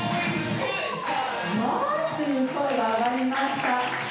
「うわっ！」という声が上がりました。